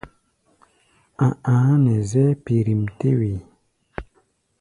A̧ a̧á̧ nɛ zɛ́ɛ́ pirím-tɛ́-wee.